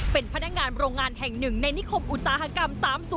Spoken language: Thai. เป็นพนักงานโรงงานแห่งหนึ่งในนิคมอุตสาหกรรม๓๐